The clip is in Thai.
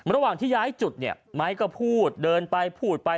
ระหว่างที่ย้ายจุดเนี่ยไม้ก็พูดเดินไปพูดไป